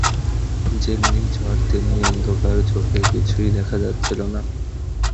যেমনি ঝড় তেমনি অন্ধকার, চোখে কিছুই দেখা যাচ্ছিল না।